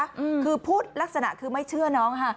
คือพูดลักษณะคือไม่เชื่อน้อง